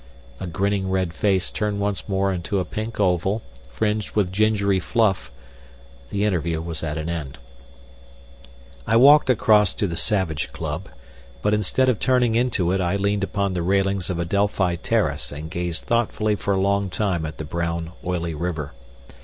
A grinning red face turned once more into a pink oval, fringed with gingery fluff; the interview was at an end. I walked across to the Savage Club, but instead of turning into it I leaned upon the railings of Adelphi Terrace and gazed thoughtfully for a long time at the brown, oily river.